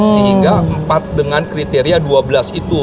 sehingga empat dengan kriteria dua belas itu